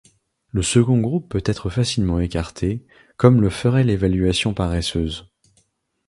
Le second groupe peut être facilement écarté, comme le ferait l'évaluation paresseuse.